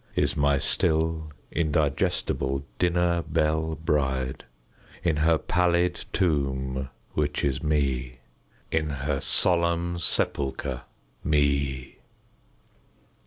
Is n^y still indigestible dinner belle bride, In her pallid tomb, which is Me, In her solemn sepulcher, Me.